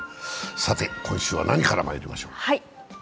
さて、今週は何からまいりましょうか。